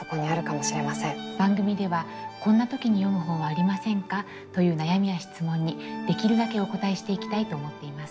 番組では「こんな時に読む本はありませんか？」という悩みや質問にできるだけお応えしていきたいと思っています。